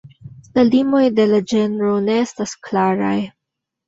La limoj de la ĝenro ne estas klaraj.